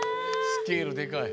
スケールでかい。